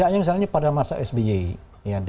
ya misalnya pada masa sby